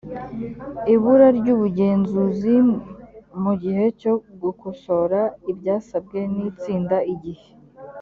ibura ry ubugenzuzi mu gihe cyo gukosora ibyasabwe n itsinda igihe